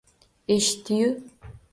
Eshitdi-yu